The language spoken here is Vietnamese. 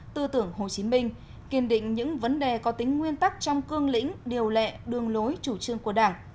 tư tưởng hồ chí minh kiên định những vấn đề có tính nguyên tắc trong cương lĩnh điều lệ đường lối chủ trương của đảng